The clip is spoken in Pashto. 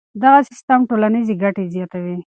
دغه سیستم ټولنیزې ګټې زیاتوي.